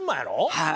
はい。